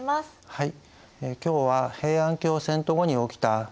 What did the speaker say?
はい。